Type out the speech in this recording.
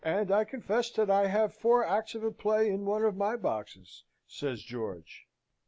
"And I confess that I have four acts of a play in one of my boxes," says George.